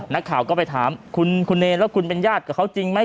นักข่าวก็ไปถามคุณเนรแล้วคุณเป็นญาติกับเขาจริงไหม